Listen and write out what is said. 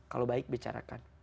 kalau baik bicarakan